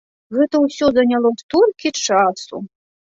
Гэта ўсё заняло столькі часу!